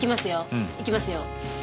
うん。いきますよ。